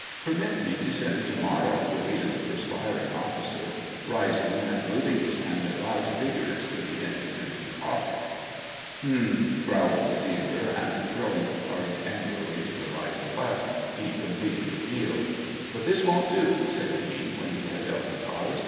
" Permit me to send it to morrow," repeated the perspiring officer, rising, and moving his hand about vigorously in his empty pocket. SEVASTOPOL IN AUGUST. 203 " Hm !" growled the dealer, and, throwing the cards angrily to the right and left, he completed the deal. " But this won't do," said he, when he had dealt the cards.